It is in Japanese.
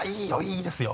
いいですよ。